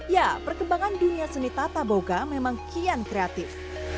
ya perkembangan dunia seni tata boga memang kian kreatif